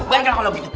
balik lah kalau begitu